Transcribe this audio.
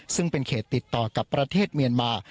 ซึ่งเป็นเขตติดต่อกับประเทศเมียนมา